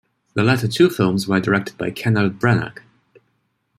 The latter two films were directed by Kenneth Branagh.